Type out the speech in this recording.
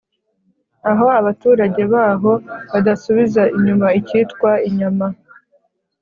aho abaturage baho badasubiza inyuma icyitwa inyama